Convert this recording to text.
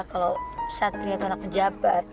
kalo satria itu anak pejabat